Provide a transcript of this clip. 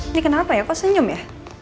ini kenapa ya kok senyum ya